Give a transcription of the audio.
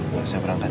gak usah berangkat